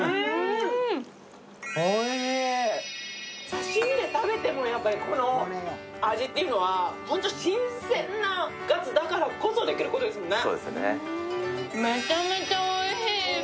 刺身で食べてもこの味というのは、ホント新鮮なガツだからこそできることですもんね。